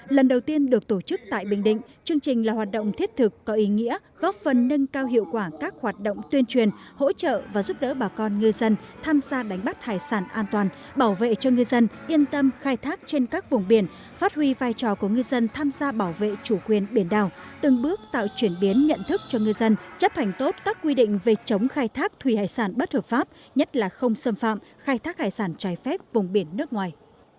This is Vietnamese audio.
lần đầu tiên được tổ chức tại bình định chương trình là hoạt động thiết thực có ý nghĩa góp phần nâng cao hiệu quả các hoạt động tuyên truyền hỗ trợ và giúp đỡ bà con ngư dân tham gia đánh bắt hải sản an toàn bảo vệ cho ngư dân yên tâm khai thác trên các vùng biển phát huy vai trò của ngư dân tham gia bảo vệ chủ quyền biển đảo từng bước tạo chuyển biến nhận thức cho ngư dân chấp hành tốt các quy định về chống khai thác thùy hải sản bất hợp pháp nhất là không xâm phạm khai thác hải sản trái phép vùng biển nước ngoài